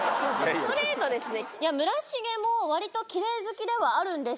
ストレートですね。